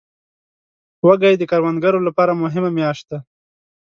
وږی د کروندګرو لپاره مهمه میاشت ده.